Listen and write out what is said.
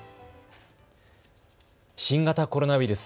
新型コロナウイルス。